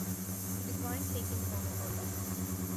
He declined taking formal art lessons.